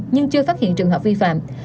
nhưng chưa phát hiện trường hợp vi phạm